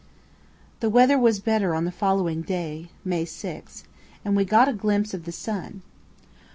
The weather was better on the following day (May 6), and we got a glimpse of the sun.